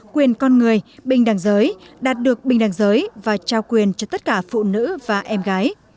quyền con người bình đẳng giới đạt được bình đẳng giới và trao quyền cho tất cả phụ nữ và em gái